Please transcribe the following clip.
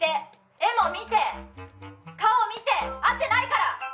画も見て顔見て合ってないから！